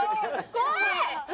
怖い！